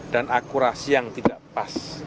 dan akurasi yang tidak pas